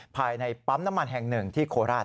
ภายในปั๊มน้ำมันแห่งหนึ่งที่โคราช